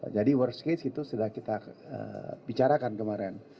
jadi worst case itu sudah kita bicarakan kemarin